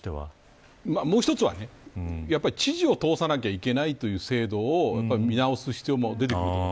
もう一つは知事を通さなければいけない制度を見直す必要が出てくる。